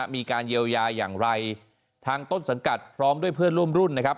มีการเยียวยาอย่างไรทางต้นสังกัดพร้อมด้วยเพื่อนร่วมรุ่นนะครับ